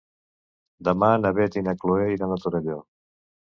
Demà na Beth i na Chloé iran a Torelló.